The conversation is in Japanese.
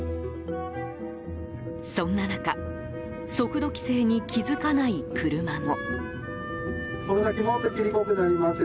そんな中、速度規制に気付かない車も。